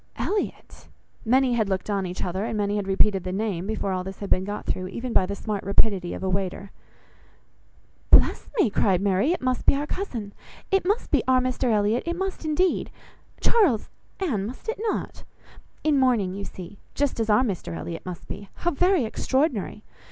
"Elliot!" Many had looked on each other, and many had repeated the name, before all this had been got through, even by the smart rapidity of a waiter. "Bless me!" cried Mary; "it must be our cousin; it must be our Mr Elliot, it must, indeed! Charles, Anne, must not it? In mourning, you see, just as our Mr Elliot must be. How very extraordinary!